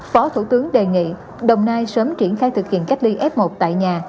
phó thủ tướng đề nghị đồng nai sớm triển khai thực hiện cách ly f một tại nhà